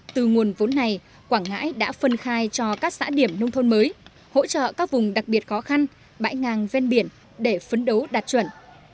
từ nguồn vốn này quảng ngãi đã phân khai cho các xã điểm nông thôn mới hỗ trợ các vùng đặc biệt khó khăn bãi ngang ven biển để phấn đấu đạt chuẩn